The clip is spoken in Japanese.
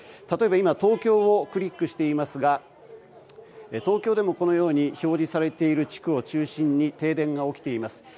例えば東京をクリックしていましたが東京でもこのように表示されている地区を中心に停電が起きています。